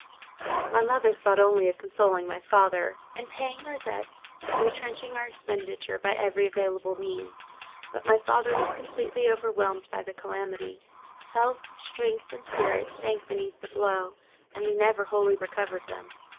My mother thought only of consoling my father, and paying our debts and retrenching our expenditure by every available means; but my father was completely overwhelmed by the calamity: health, strength, and spirits sank beneath the blow, and he never wholly recovered them.